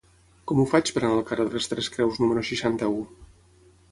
Com ho faig per anar al carrer de les Tres Creus número seixanta-u?